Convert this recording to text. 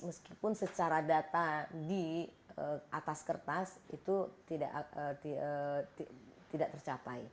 meskipun secara data di atas kertas itu tidak tercapai